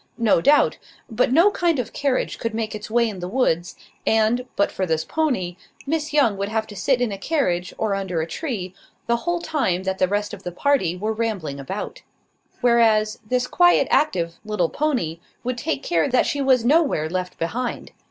No doubt; but no kind of carriage could make its way in the woods; and, but for this pony, Miss Young would have to sit in a carriage, or under a tree, the whole time that the rest of the party were rambling about; whereas, this quiet active little pony would take care that she was nowhere left behind.